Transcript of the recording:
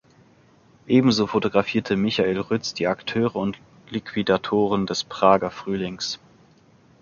Ebenso fotografierte Michael Ruetz die Akteure und Liquidatoren des "Prager Frühlings".